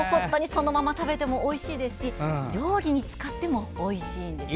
そのまま食べてもおいしいですし料理に使ってもおいしいです。